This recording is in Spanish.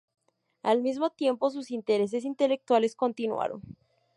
Al mismo tiempo, sus intereses intelectuales continuaron.